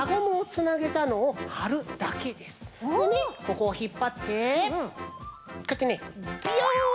ここをひっぱってこうやってねビヨン！